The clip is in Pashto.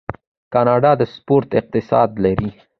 کاناډا د سپورت اقتصاد لري.